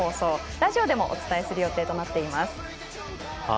ラジオでもお伝えする予定となっています。